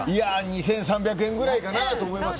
２３００円くらいかなと思います。